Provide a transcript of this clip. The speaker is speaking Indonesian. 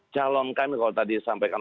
calon kami kalau tadi disampaikan